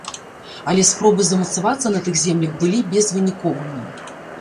Але спробы замацавацца на тых землях былі безвыніковымі.